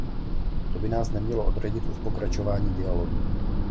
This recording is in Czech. To by nás nemělo odradit od pokračování dialogu.